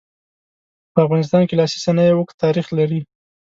په افغانستان کې لاسي صنایع اوږد تاریخ لري.